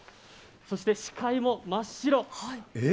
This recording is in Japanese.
そして視界も真っ白。